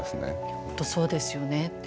本当そうですよね。